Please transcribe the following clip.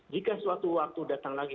jika suatu waktu datang lagi